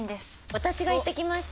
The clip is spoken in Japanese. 私が行ってきました。